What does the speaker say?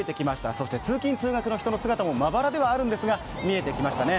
そして通勤・通学の人の姿もまばらではありますが増えてきましたね。